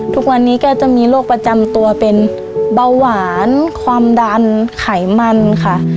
ทุกวันนี้ก็จะมีโรคประจำตัวเป็นเบาหวานความดันไขมันค่ะ